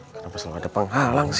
kenapa selalu ada penghalang sih